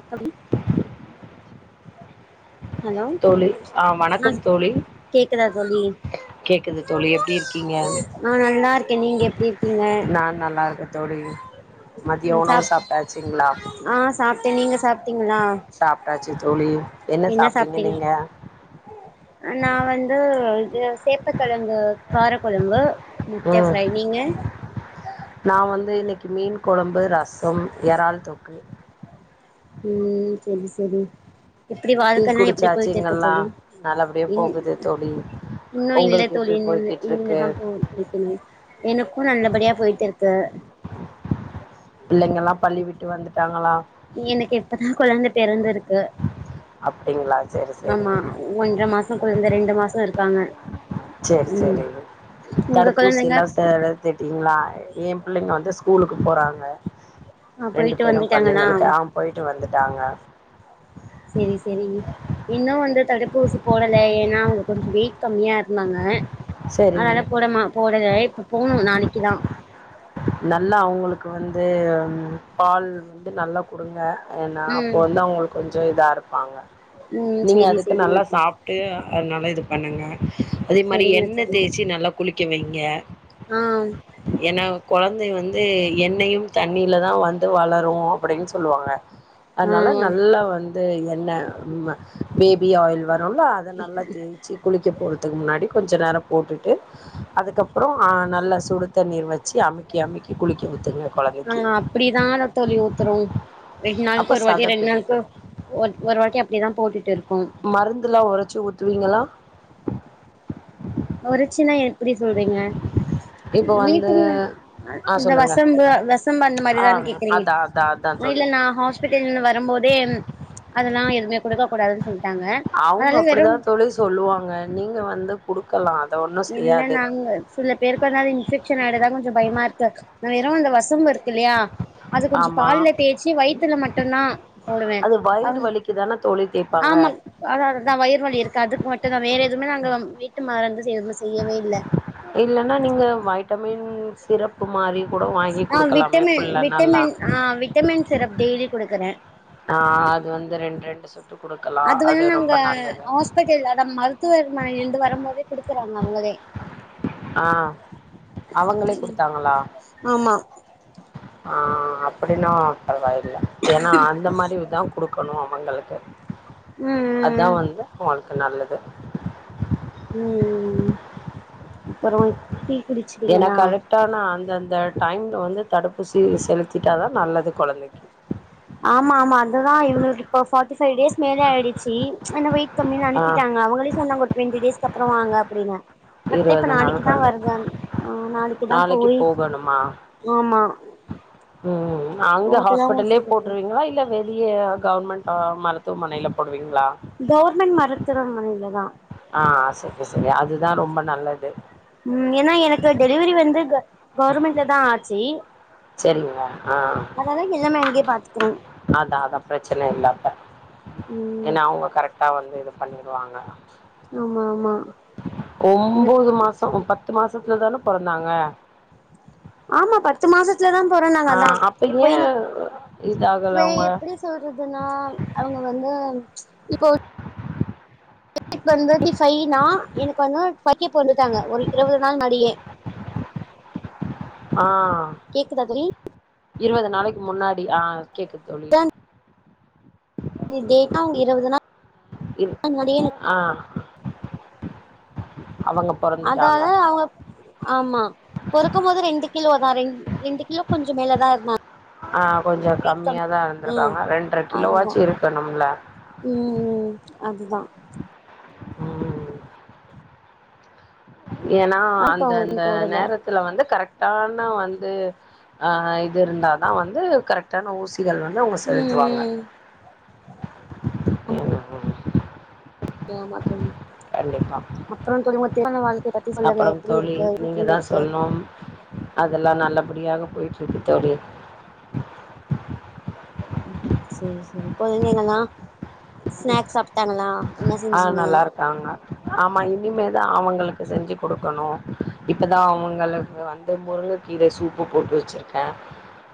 எப்படி தொழி ஆஹ் வணக்கம் தோழி கேக்குதா தோழி கேக்குது தோழி எப்டி இருக்கீங்க ஆ நல்லா இருக்கே நீங்க எப்டி இருக்கீங்க நான் நல்லா இருக்க தொடையு மதிய ம் உணவு சாப் சாப்ட்டாச்சிங்களா ஆ சாப்ட்டே நீங்க சா த்தீங்ளா ச்சு தோழி என்ன சாப்ட்டீங்க நீங்க நான் வந்து இ சேப்பக்கழங்கு கார கொழம்பு முட்ட ம் ஃப்ரை நீங்க ந்து இன்னைக்கு மீன் கொழம்பு ரசம் இறால் தொக்கு உம்ம் செரி செரி எப்டி டீ வாழ்க்கலா எப்படி போயிட்டு இருக்க குடிச்சாச்சுங்கல்லா தொழி நல்லபடியா இன் போகுது தோழி இன்னும் இல்ல உங்களுக்கு தோழி எப்டி இங்கிமே போய்கிட்ருக்கு தான் போ படிக்கண எனக்கும் நல்லபடியா போயட்டு இருக்க த பிள்ளங்கல்லா பள்ளி விட்டு வந்துட்டாங்களா எனக்கு இப்பதா குழந்தை பிறந்து இருக்கு அப்டிங்களா செரி க செரி ஆமா ஒன்ற மாசோம் குழந்த ரெண்டு மாசோ இருக்காங்க சரி ம் சரிங்க உங்க தடுப்பூசி கொழந்தைங்க எல்லா செலு துட்டீங்களா எ பிள்ளைங்க வந்து ஸ்கூலுக்கு போறாங்க ஆ ரெண்டு போயிட்டு பேரு வந்துட்டாங்களா பள்ளிங்களுக்கு ஆ போயிட்டு வந்துட்டாங்க செரி செரி இன்னு வந்து தடுப் தடுப்பு ஊசி போடல ஏன்னா அவங்க கொஞ்சு வெயிட் கம்மியா இருந்தாங்க சரி அதனால போடம போடல இப்ப போணு நாளைக்குதா நல்லா அவங்களுக்கு வந்து பால் வந்து நல்லா குடுங்க ஏன்னா அப்போ ம் வந்து அவங்களுக்கு கொஞ்சு இதா இருக்கு வாங்க ம் நீங்க செரி அதுக்கு செரிங்க நல்லா தோழி சாப்பிட்டு அது நல்லா இது பண்ணுங்க அதே மாரி செரிங்க எண்ணெ தோழி தேய்ச்சு நல்லா குளிப் க்க வெயிங்க ஆ ஏன்னா கொழந்தைங்க வந்து எண்ணெயும் தண்ணியில தா வந்து வளரு அப்பிடின்னு சொல்லுவாங்க ஆ அதனால நல்லா வந்து து எண்ண ம் பேபி ஆயில் வ [unintelligible] அதை நல்லா தேய்ச்சு குளிக்க போடுது துக்கு முன்னாடி கொஞ்சு நேரோ போட்டுட்டு அதுக்கப்புறோ ஆ நல்ல சுடு தண்ணீர் வச் ஆ அப்படிதான் தோழி ஊத்துரோ ரெண்டு நாளைக்கு அப்ப ஒரு வாட்டி சத ரெண்டு பிடிக்கு நாளைக்கு ஒ ஒரு வாட்டி அப்படிதா போட்டுட்டு இருக்கோ மருந்துலா உரைச்சு ஊத்துவீங்களா ஒரு சின்ன என் எப்பிடி சொல்றீங்க இப்ப வந்து வீட்டுல ஆ இந்த வசம்பு வெசம்பு அந்த ஆ மாரிதான கேக்குறீங்க அதா அதா அதா இல்ல தோழி நா ஹாஸ்பிட்டல்ருந்து வரும்போதே அதெல்லா எதுமே குடுக்க போடாதுன்டு சொல்லு அவங்க அப்படிதா தோழி சொல்லுவாங்க நீங்க வந்து குடுக்கலா ஒன்னு இல்ல செய்யாது நாங்க சில பேருக்கு வந்து அது ன்வெக்க்ஷன் [unintelligible] ஆயிடுதா கொஞ்சு பயமா இருக்கு வெறு அந்த வசம்பு இருக் இல்லையா அது கொஞ்சு ஆமா பால்ல தேச்சி வயித்துல மட்டுன்தா போடுவே அது அ வயிறு வலிக்கு தானே தோழி தேய்ப்பாங்க ஆமா அது அதுதா வயிறுவழி இருக்குகாது மட்டுதா வேற எதுவுமே அங்க [unintelligible] மறந்த செய் இல்லன்னா நீங்க வைட்டமின்ஸ் சிறப்பு மாறி ஆ விட்டமின் விட்டமின் ஆ விட்டமின் சிரப் டெய்லி குடுக்கரே ஆஹ் அது வந்து ரெண்டு ரெண்டு சொட் அது வேணா நாங்க ஹாஸ்பிட்டல அத மருத்துவமனில இருந்து வரும்போதே குடுக்குறாங்க அவுங்களே ஆஹ் அவங்களே குடுத்தாங்களா ஆமா ஆ அப்டின்னா பரவாயில் ல ஏன்னா அந்த மாரிதான் குடு கணும் அவங்களுக்கு ம் ம் அதான் வந்து அவங்களுக்கு நல்லது உம் ம் ம் அப்புறம் ஏனா கரெக்டானா அந்தந் ந்த டைம்ல வந்து தடுப்பூசிய செலுத்திட்டாதா நல்லது கொழந்தைக்கு ஆமாம்மாம் ஏனா இவளுக்கு தயிர்சா ஃபைவ் டேஸ் மேல ஆய்டுச்சு என்ன வெயிட் த்தமில்லைனு ஆ அனுப்பிட்டங்க அவங்களே சொன்னாங்க ஒரு டிவெண்ட்டி டேஸ்கப்ற வாங்க அப்டினா வெப்பத் இருவது நாள் நாளைக்குதா கொண்டு வருதாம் ஆஹ் நாளைக்குதா நாளைக்கு போய் போகணுமா ஆமா உம் ஆம் என்ன அந்த போட்டுதா ஊசி ஹாஸ்பிட்டல்லே போட்டு போட்டுருவீங்ளா இல்ல வே புதிய கவர்மெண்ட் ஆஹ் மருத்துவமனைல போட் கவர்மெண்ட் மருத்துவமனைல தா ஆஹ் செரிங்க செரிங்க அதுதா ரொம்ப நல்லது உம் ஏனா எனக்கு டெலிவரி வந்து கவ் கவர்மெண்ட்ல தா ஆச்சு செரிங்களா ஆஹ் அதனால எல்லாமே அங்கேயே பாத்துக்குறோ அதான் அதான் பிரச்சனை இல்லப்ப ம் என்ன அவங்க கரெக்ட் டா வந்து இது பண்ணிடுவாங்க ஆமா ஆமா ஒன்பது மாசம் பத்து மாசம் இலதான பொறந்தாங்க ஆமா பத்து மாசத்து வல தான் பொறந்தாங்க ஆ நாங் அப்ப இப்போ ஏ எனக்கு இதாகல அவங்க எப்படி சொல்றதுன்னா அவங்க வந்து இப்போ [inaudible] வந்து பைனா எனக்கு வந்து க்க [unintelligible] ஒரு இருபது நாள் மடியே ஆஹ் கேக்குதா தோழி இருபது நாளைக்கு முன்னாடி ஆஹ் கேக்குது தோழி ட்டாங இருபது நாள் இரு ஆ [unintelligible] அவங்க பொறந்துட்டாங்க அதாவ அவ ஆமா பொறக்கும்போது ரெண்டு கிலோதான் ரெ ரெண்டு கிலோ கொஞ்சம் மேல தான் இருந்தா ஆஹ் கொஞ்சம் கம்மியாதான் ம் இருந்திருக்காங்க ரெண்டரை அதுதா கிலோவாச்சு இருக்கணும்ல அதுதான் உம் ஏன்னா இப்ப அந்த அவங்களுக்கு அந்த போடல நேரத்துல வந்து கரெக்டா வந்து இது இருந்தா தான் வந்து கரெக்டான ஊசி இது எல்லாம் தான் அவங்க ம் செலுத்துவாங்க ம் ஏமாற்ற கண்டிப்பா அப்புறம் தொழபத்தான வாழ்க்கை பத்தி சொல்லுங்க அப்புறம் எப்படி இருக்கு இப்படி சொல்லிருக்கு அதெல்லாம் நல்லபடியாக போயிட்டு இருக்கு தோழி குழந்தைங்களாம் ஸ்நாக்ஸ் சாப்பிட்டாங்களா ஆஹ் நல்லா இருக்காங்க ஆமா இனிமேதான் அவங்களுக்கு செஞ்சு கொடுக்கணும் இப்பதான் அவங்களுக்கு வந்து முருங்கை கீரை சூப்பு போட்டு வச்சிருக்கேன்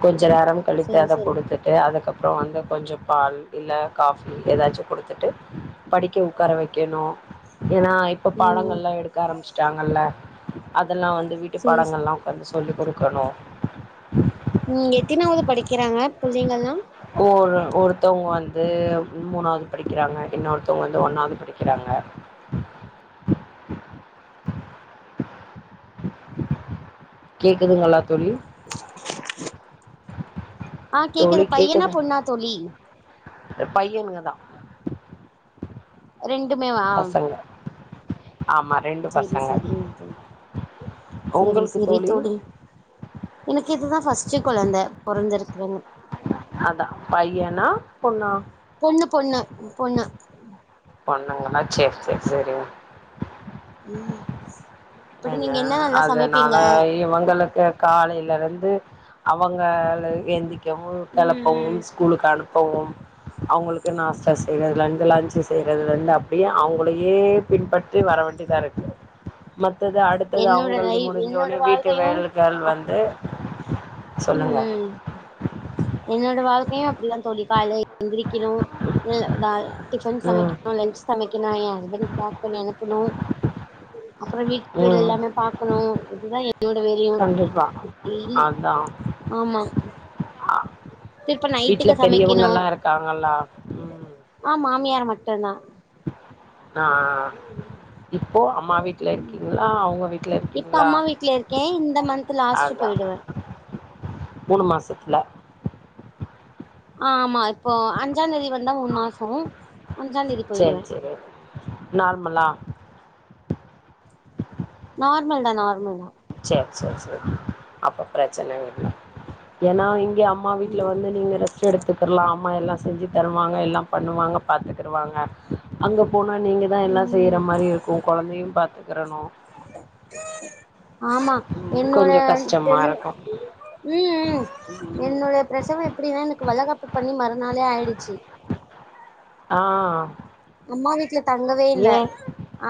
கொஞ்சம் கொஞ்ச நேரம் கழித்து சேரி அதை சேரி கொடுத்துட்டு அதுக்கப்புறம் வந்து கொஞ்சம் பால் இல்ல காபி ஏதாச்சும் கொடுத்துட்டு படிக்க உட்கார வைக்கணும் ஏன்னா இப்ப ம் பாடங்கள் எல்லாம் எடுக்க ஆரம்பிச்சுட்டாங்கல்ல அதெல்லாம் வந்து வீட்டு சேரி சேரி பாடங்களெல்லாம் உட்காந்து சொல்லி் கொடுக்கணும் உம் [unintelligible] உம் எத்தனாவது படிக்கிறாங்க புள்ளைங்கெல்லாம் ஒரு ஒருத்தவங்க வந்து மூணாவது படிக்கிறாங்க இன்னொருத்தவங்க வந்து ஒண்ணாவது படிக்கிறாங்க கேக்குதுங்களா தோழி ஆஹ் கேக்குது பையனா பொண்ணா தோழி பையனுங்கதான் ரெண்டுமே வா ஆமா ரெண்டு செரி பசங்க செரி ம் சேர் செரி செரி தோழி எனக்கு இதுதான் ஃபஸ்ட் கொழந்த பொறந்துறுக்காங்க அதான் பையனா பொண்ணா பொண்ணு பொண்ணு பொண்ணு பொண்ணுங்ளா செர் செர் சேரி உம் என்ன அதுனால இவங்களுக்கு காலேல இருந்து து அவங்கள எந்தி கவும் ம் கிளப்பவும் ம் ஸ்கூலுக்கு அனுப்பவும் அவுங்களுக்கு நாஸ்தா செய்யறதுல இருந்து லஞ்சு செய்யறதுல இருந்து அப்டியே அவுங்களையே பின்பற்றி வர வேண்டிதா இருக்கு மட் டுது அடுத்தது என்னோட அவுங்களது லை என்னோட முடிஞ்சோனே வீட்டு வேலைகள் வாழ்க்கையு வந்து சொல்லுங்க ம் என்னோட வாழ்க்கையும் அப்டிதான் தோழி காலேல எந்திரி கினும் இ லா டிஃபன் ம் சமைக்கணும் லன்ச் சமைக் ஏன்னா என் ஹஸ்பண்ட் பாக் பண்ணி அனுப்பனும் அப்புறம் வீட்டு வேல ம் எல்லாமே பாக்கணும் இதுதான் எ ன்னோட வேலயும் கண்டிப்பா. டெய்லி அதான். ஆமா அ திருப்ப வீட்ல நைட்டுக்கு சமைக்கணு பெரியவங்கல்லாம் இருக்காங்கல்லா உம் ஆ மாமியார் மட்டும்தான் ஆஹ் இப்போ அம்மா வீட்ல இருக்கீங்களா அவுங்க வீட்ல இப்ப இருக்கீங்களா அம்மா வீட்ல இருக்கே இந்த மந்த் லாஸ்ட் அதான் போயிடுவே மூணு மாசத் ல ஆ ஆமா இப்போ அன் அஞ்சாந்தேதி வந்தா மூணு மாசம் அஞ்சாந்தேதி சரி, போயிடுவேன் சரி. நார்மலா நார்மல்தா நார்மல்தா சேர் சேர் அப்ப பிரச்சன இல்ல ஏன்னா இங் க அம்மா வீட்ல வந்து நீங்க ரெஸ் ரெஸ்ட் எடுத்துக்கலாம் அம்மா எல்லாம் செஞ்சு தருவாங்க எல்லாம் பண்ணுவாங்க பாத்துக்குறுவாங்க அங்க போனா நீங்க தான் எல்லாம் செய்யற ம் மாரி இருக்கும் கொழந்தையும் பாத் துக்கறனும் ஆமா என்னோட கொஞ்சம் கஷ்டமா டெலி இருக்கும். உம் உம் என்னுடைய பிரசவம் எப்டினா எனக்கு வளகாப்பு பண்ணி மறுநாளே ஆய்டுச்சு ஆஹ் ம்மா வீட்ல தங்கவே இல்ல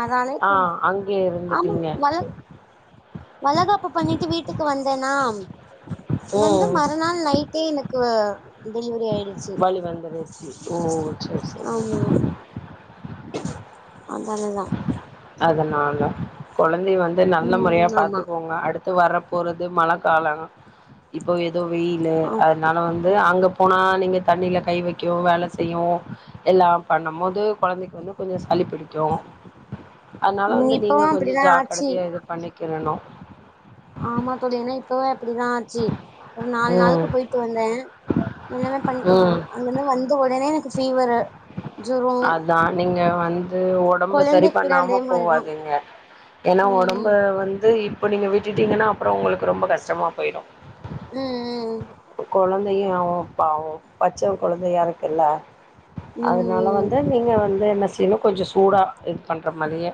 அதாலே ஆ இப்பொ அங்கே ஆமா இருந்துட்டீங்க வளழ் வளகாப்பு பண்ணிட்டு வீட்டுக்கு வந்தேனாம் வந்து ம் மறுநாள் நைட்டே எனக்கூ டெலிவிரி ஆய் வழி வந்துருச்சி ஓ சேர் செரி அத்னாலதா அதனால்ல கொழ ந்தை வந்து நல்ல முறையா ம் ஆமா பாத்துக்கோங்க அடுத் து வரப் போறது மழக்காலோ இப்போ எ தொ வெயில்லு ஆ அத்னால வந் து அங்கப் போனா நீங்க தண்ணில கை வைக்கூ வேல செய்யூ எல்லா பண்ணும் போது கொழந்தைக்கு வந்து கொஞ்சோ சளி புடிக்கு அத்னால வந்து இப்பவு நீங்க கொஞ்சொ அப்டிதா ஆச்சு ஜாக்கடத்தியா இது பண்ணிக் கின்னனொ இப்பூவே அப்பிடிதா ஆச்சி ஒரு நாள் நாள்க்கு ம் போயிட்டு வந்தே எல்லாமெ பண்டோ ம் அங்கந்து வந்தெ உடனே குச் ஃபீவரு ஜொரோ அதா நீங்க வந்தூ உடம்பு சரி கொழந்தைக் கூட அதே பண்ணாம மாரிதா போவாதிங்க ஏனா ம் உடம்பூ வந்து இப்பொ நீங்க விட்டுடீங்கனா அப்புறோ உங்குளுக்கு ரொம்ப கஷ்டமா போயிடு ம் குழந்தையூ ப்பாவூ பச்ச கொழந்தையா இருக்குல்ல அதுனால ம் வந்து நீங்க வந்து என்னஸ் சி இன்னு கொஞ்சொ சூடா இத் பண்ற மாதிரியே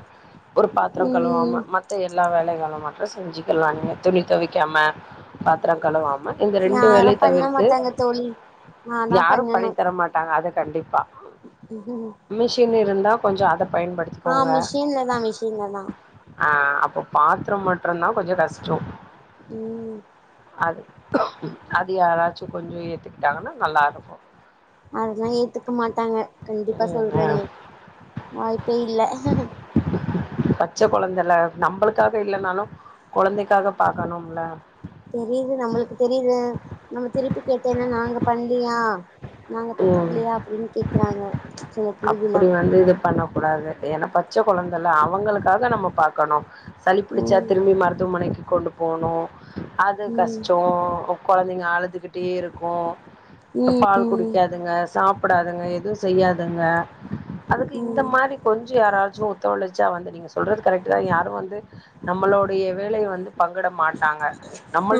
ஒரு பாத்துரங் ம் கழுவாம்ம மத்த எல்லா வேலைகளுமா இப்ப செஞ்சிகிலாங்க துணி தொவைக்காம பாத்திரங் கலுவாம்ம இந்த ரெண் இந்த யாரு வேல பண்ண தவிர்த்து மாட்டாங்க தோழி நான்தா யாரு பண்ணணு பணித்தர மாட்டாங்க அத கண்டிப்பா [inaudible] ருந்தா கொஞ்சொ அதப் ஆஹ் மிஷின்லதா மிஷின்லதா ஆஹ் அப்பொ பாத்திர மட்டுறுந்தா கொஞ்சொ கஷ்டோ உம் அது அது யாராச்சு கொஞ்சோ ஏத்துக்கிட்டாங்கன்னா நல்லாருக்கு அதெல்லா ஏத்துக்க மாட்டாங்க கண்டிப்பா ம் ம் சொல்றேனே வாய்ப்பே இல்ல பச்ச கொழந்தல நம்மளுக்காக இல்லன்னாலோ கொழந்தைக்காக பாக்கணோம்ல தெரியுது நம்முளுக்கு தெரியுது நம்ம திருப்பி கேட்டேனா நாங்க பண்லியா நாங்க ம் பெத்துக்கலையா அப்டின்னு கேக்குறாங்க சில கேள்விலா அப்படி வந்து இது பண்ண கூடாது என்ன பத் பச்ச கொழந்தல்ல அவுங்களுக்காக நம்ம பாக்கணோ சளி பிடிச்சா ம் திரும்பி மருத்துவமனைக்கு கொண்டு போவனோ அது ம் கஷ்டோ கொழந்தைங்க அழுதுக்கிட்டே இருக்கோ ம் பால் குடி ம் காதுங்க சாப் ப்டாதுங்க எதுவும் செய்யாதுங்க அதுக்கு இந்த ம் மாரி கொஞ்சோ யாராச்சோ ஒத்தோழச்சா வந்து நீங் சொல்றது கரெக்ட் தா யாரோ வந்து நம்மளோடைய வேலய வந்து பங்கிட மாட்டாங்க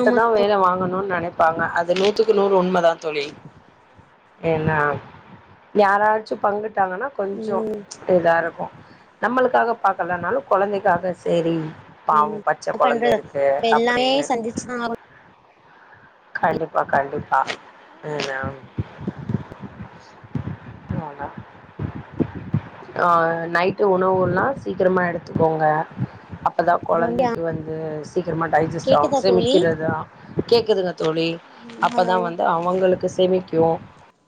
ஆமா வேலய வாங்கனோ நெ நெனைப்பாங்க அது நூத்துக்கு நூறு உண்மதா தோழி என்ன யாராச்சு பங்கிட் டாங்கனா கொஞ்சோ ம் இதா இருக்கோ நம்மளுக்காக பாக்கலனாலோ கொழந்தைக்காக சேரி ஆமா பச்ச என்ன கொழந்த பண்றது இருக்கு நம்ம எல்லாமே அப்டின்னு சந்திச்சுதா ஆகனோ கண்டிப்பா கண்டிப்பா [unintelligible] [unintelligible] ஆ நைட்டு உணவுலா சீக்கரமா எடுத்துக்கோங்க அப் பதா கொழந்தைக்கு வந்து சீக்கிரமா டைஜஸ்ட் ஆவோ கேக்குதா தோழி செமிக்கிறதா கேக்குதுங்க தோழி அப்போதா ஹலோ வந்து அவுங்குளுக்கு [unintelligible] யோ